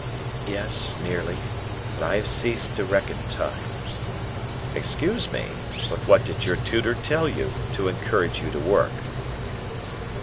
"Yes, nearly; but I have ceased to reckon time." "Excuse me; but what did your tutor tell you, to encourage you to work?"